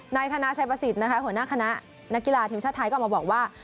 นายธนาชัยประสิทธิ์นะคะหัวหน้าคณะนักกีฬาทีมชาติไทยก็ออกมาบอกว่า